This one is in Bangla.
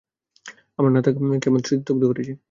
আমার না থাকা কেমন স্মৃতি দগ্ধ করেছে?